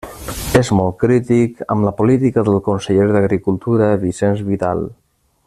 És molt crític amb la política del conseller d'Agricultura Vicenç Vidal.